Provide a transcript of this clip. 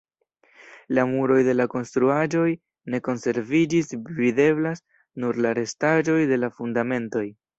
La muroj de konstruaĵoj ne konserviĝis; videblas nur la restaĵoj de la fundamentoj.